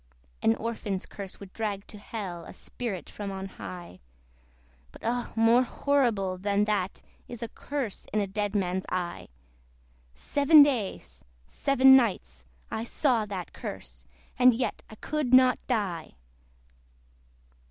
An orphan's curse would drag to Hell A spirit from on high; But oh! more horrible than that Is a curse in a dead man's eye! Seven days, seven nights, I saw that curse, And yet I could not die.